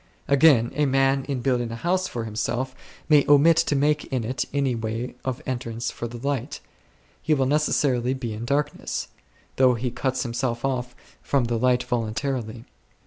Again, a man in building a house for himself may omit to make in it any way of entrance for the light ; he will necessarily be in darkness, though he cuts himself off from the light voluntarily.